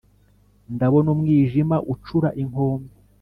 ndabona umwijima ucura inkombe